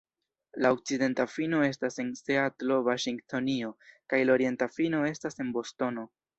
La okcidenta fino estas en Seatlo, Vaŝingtonio, kaj la orienta fino estas en Bostono.